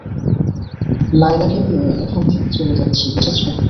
লায়লাকে নিয়ে এখান থেকে চলে যাচ্ছি, বুঝেছ?